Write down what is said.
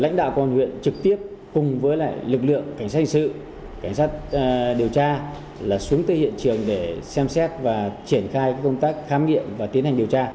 lãnh đạo công an huyện trực tiếp cùng với lực lượng cảnh sát hành sự cảnh sát điều tra là xuống tới hiện trường để xem xét và triển khai công tác khám nghiệm và tiến hành điều tra